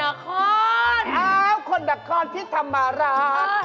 อ้าวคนด่ะก้อนพี่ธรรมราช